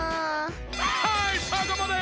はいそこまで！